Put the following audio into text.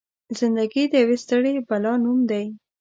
زنده ګي د يوې ستړې بلا نوم دی.